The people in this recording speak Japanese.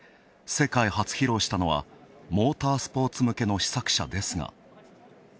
世界初披露したのはモータースポーツ向けの試作車ですが。